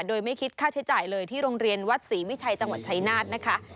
โดยไม่คิดค่าใช้จ่ายเลยที่โรงเรียนวัดศรีวิชัยจังหวัดชายนาฏนะคะ